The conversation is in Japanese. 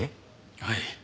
はい。